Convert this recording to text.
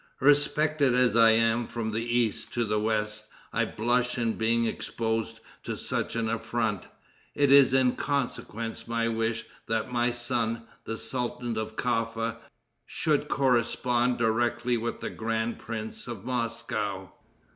Respected as I am from the east to the west, I blush in being exposed to such an affront. It is in consequence my wish that my son, the sultan of Caffa, should correspond directly with the grand prince of Moscow."